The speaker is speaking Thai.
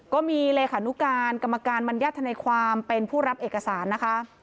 ก็มีเลขานุการกรรมการบรรยาทนายความเป็นผู้รับเอกสารนะคะ